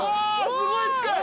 すごい近い！